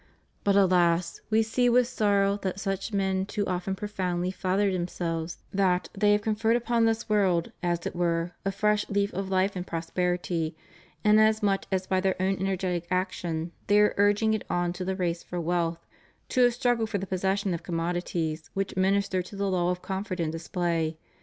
But, alas I we see with sorrow that such men too often proudly flatter themselves that they have conferred upon this world, as it were, a fresh lease of life and prosperity, in asmuch as by their own energetic action they are urging it on to the race for wealth, to a struggle for the possession of commodities which minister to the love of comfort and display.